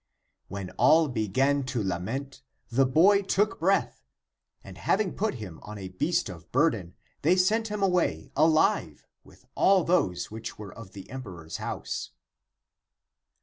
When all began to lament, the boy took breath ; and having put him on a beast of burden, they sent him away alive with all those which were of the em peror's house.